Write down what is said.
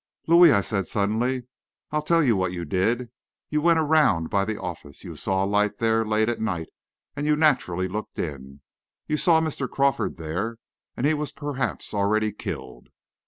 "Louis," I said, suddenly, "I'll tell you what you did. You went around by the office, you saw a light there late at night, and you naturally looked in. You saw Mr. Crawford there, and he was perhaps already killed.